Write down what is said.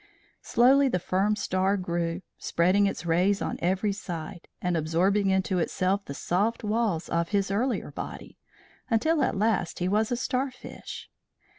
Slowly the firm star grew, spreading its rays on every side, and absorbing into itself the soft walls of his earlier body, until at last he was a starfish.